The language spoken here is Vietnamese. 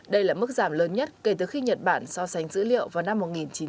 đây là mức giảm lớn nhất kể từ khi nhật bản so sánh dữ liệu vào năm một nghìn chín trăm chín mươi